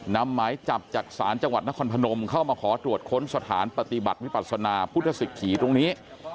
หมายจับจากศาลจังหวัดนครพนมเข้ามาขอตรวจค้นสถานปฏิบัติวิปัสนาพุทธศิกษีตรงนี้